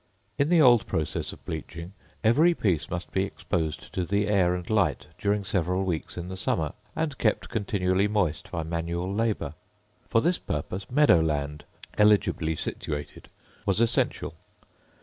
In the old process of bleaching, every piece must be exposed to the air and light during several weeks in the summer, and kept continually moist by manual labour. For this purpose, meadow land, eligibly situated, was essential.